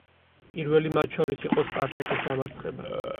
პირველი მათ შორის იყო სპარსეთის დამარცხება.